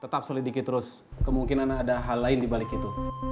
tetap selidiki terus kemungkinan ada hal lain dibalik itu